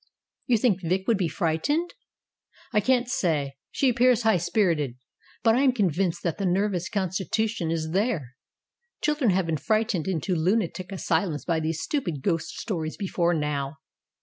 "You think Vic would be frightened?" "I can't say. She appears high spirited, but I am convinced that the nervous constitution is there. Chil dren have been frightened into lunatic asylums by these stupid ghost stories before now.